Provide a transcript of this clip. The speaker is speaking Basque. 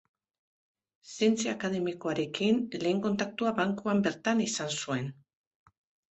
Zientzia akademikoarekin lehen kontaktua bankuan bertan izan zuen.